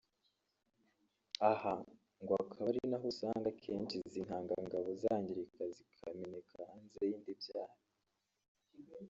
aha ngo akaba ari na ho usanga kenshi izi ntanga ngabo zangirika zikameneka hanze y’inda ibyara